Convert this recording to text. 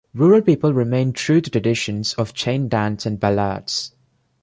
Rural peoples remained true to traditions of chain dance and ballads.